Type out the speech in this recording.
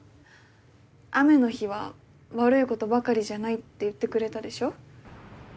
雨の日は悪いことばかりじゃないって言ってくれたでしょ？